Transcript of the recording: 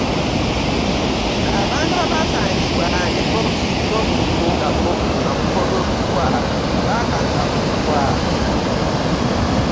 Abantu abasangibwa n'ebbookisi z'obululu nga bugoloddwa bakangavvulwa.